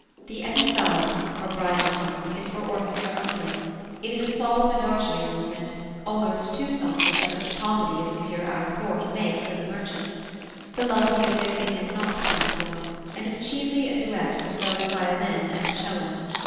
The "Épithalme" or "Bridal Song" is for orchestra only; it is a solemn adagio movement, almost too sombre for such a comedy as M. Haraucourt makes of The Merchant. The love music is in nocturne form, and is chiefly a duet for solo violin and 'cello.